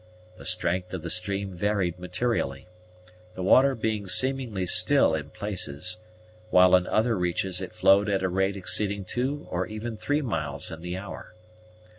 The strength of the stream varied materially, the water being seemingly still in places, while in other reaches it flowed at a rate exceeding two or even three miles in the hour.